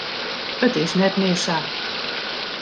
It is net mear sa.